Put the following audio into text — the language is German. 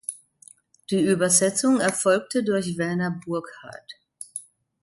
Die Übersetzung erfolgte durch Werner Burkhardt.